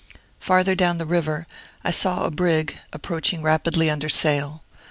Farther down the river, I saw a brig, approaching rapidly under sail.